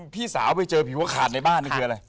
พี่สาวไปเจอผิวขาดในบ้านนี่คืออะไร